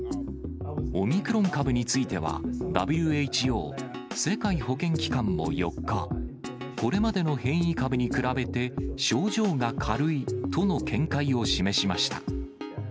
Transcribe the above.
オミクロン株については、ＷＨＯ・世界保健機関も４日、これまでの変異株に比べて、症状が軽いとの見解を示しました。